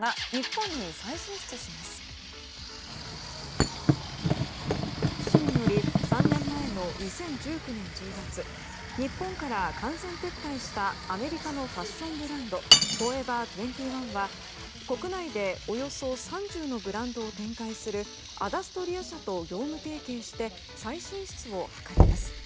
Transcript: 売り上げ不振により３年前の２０１９年１０月日本から完全撤退したアメリカのファッションブランドフォーエバー２１は国内でおよそ３０のブランドを展開するアダストリア社と業務提携して再進出を図ります。